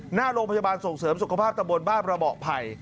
หน้าโรงพยาบาลส่งเสริมสุขภาพตะบนบ้านระเบาะไผ่